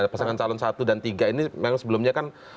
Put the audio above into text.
pasangan calon satu dan tiga ini memang sebelumnya kan